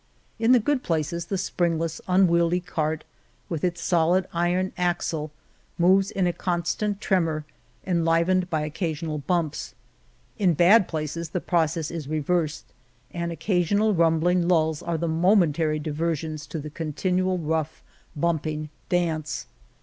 In the good places the springless, unwieldy cart, with its solid iron axle, moves in a constant tremor, enlivened by occasional bumps. In bad places the process is reversed, and occasional rumbling lulls are the momentary diversions to the continual rough, bumping dance.